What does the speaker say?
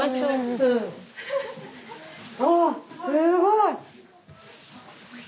ああすごい！